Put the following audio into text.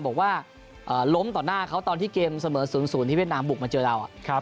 บอกว่าล้มต่อหน้าเขาตอนที่เกมเสมอ๐๐ที่เวียดนามบุกมาเจอเรา